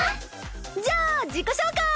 じゃあ自己紹介！